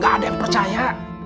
gak ada yang percaya